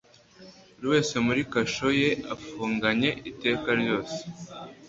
Buri wese muri kasho ye ifunganye iteka ryose,